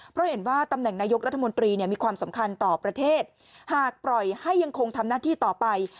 เพราะเห็นว่าตำแหน่งนายกรัฐมนตรีเนี่ยมีความสำคัญต่อประเทศหากปล่อยให้ยังคงทำหน้าที่ต่อไป